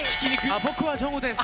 あ、僕はジョンウです！